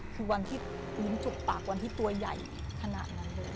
คือวันที่ลิ้นจุกปากวันที่ตัวใหญ่ขนาดนั้นเลย